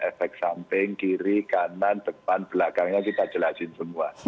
efek samping kiri kanan depan belakangnya kita jelasin semua